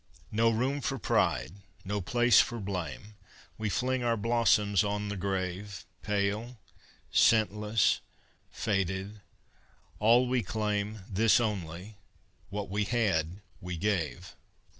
No room for pride, no place for blame, We fling our blossoms on the grave, Pale, scentless, faded, all we claim, This only, what we had we gave.